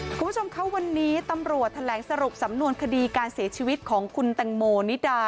คุณผู้ชมคะวันนี้ตำรวจแถลงสรุปสำนวนคดีการเสียชีวิตของคุณแตงโมนิดา